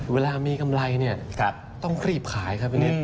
เวลามีกำไรเนี่ยไต้ต้องครีบขายครับเป็นนิดพรุ่ง